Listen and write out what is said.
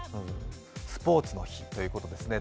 スポーツの日ということですね。